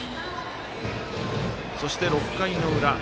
そして、６回の裏。